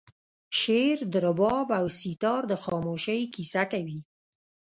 شعر د رباب او سیتار د خاموشۍ کیسه کوي